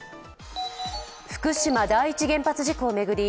福島第一原発事故を巡り